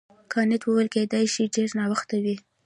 کانت وویل کیدای شي ډېر ناوخته وي.